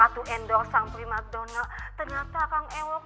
ternyata akan ewa